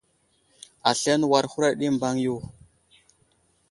Aslane war huraɗ i mbaŋ yo.